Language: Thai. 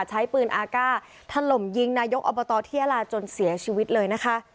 ใช้ปืนอากาศถล่มยิงนายกอบตเที่ยะลาจนเสียชีวิตเลยนะคะ